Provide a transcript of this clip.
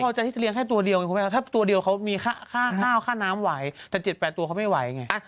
พอจะเลี้ยงแค่ตัวเดียวถ้าตัวเดียวเขามีข้าวข้าน้ำไหวแต่๗๘ตัวเขาไม่ไหวไง